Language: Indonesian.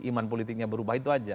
iman politiknya berubah itu aja